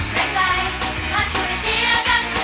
แต่ใจมาช่วยเชียร์กัน